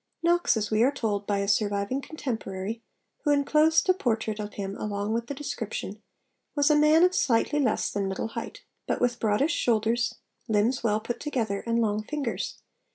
Knox, as we are told by a surviving contemporary (who enclosed a portrait of him along with the description), was a man of slightly less than middle height, but with broadish shoulders, limbs well put together, and long fingers.